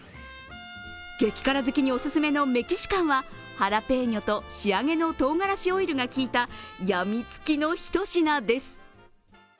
激辛好きにおすすめのメキシカンはハラペーニョと仕上げのとうがらしオイルが効いたやみつきの一品です。